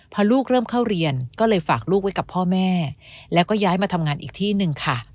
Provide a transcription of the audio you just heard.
พอลูกเริ่มเข้าเรียนก็เลยฝากลูกไว้กับพ่อแม่แล้วก็ย้ายมาทำงานอีกที่หนึ่งค่ะ